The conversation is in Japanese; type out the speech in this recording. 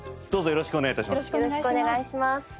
どうぞよろしくお願い致します。